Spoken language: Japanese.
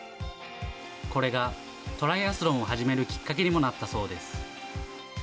これがトライアスロンを始めるきっかけにもなったそうです。